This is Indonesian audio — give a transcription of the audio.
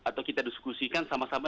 atau kita diskusikan sama sama